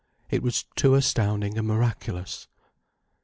It was too astounding and miraculous.